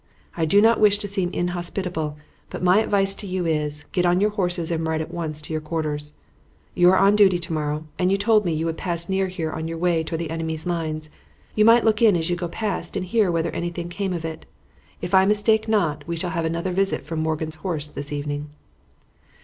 I do not wish to seem inhospitable, but my advice to you is, get on your horses at once and ride to your quarters. You are on duty to morrow, and you told me you would pass near here on your way toward the enemy's lines. You might look in as you go past and hear whether anything came of it. If I mistake not, we shall have another visit from Morgan's horse this evening."